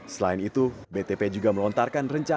selain itu btp juga melontarkan rencana